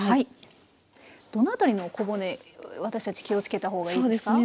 どの辺りの小骨私たち気を付けた方がいいですか？